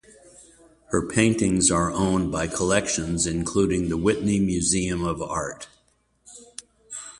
Her paintings are owned by collections including the Whitney Museum of Art.